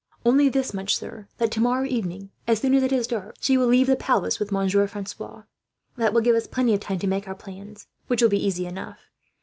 "Only this much, sir, that tomorrow evening, as soon as it is dark, she will leave the palace with Monsieur Francois. That will give us plenty of time to make our plans, which will be easy enough.